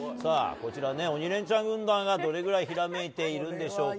「鬼レンチャン」軍団はどれぐらいひらめいているんでしょうか。